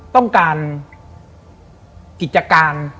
ต้องการกิจการ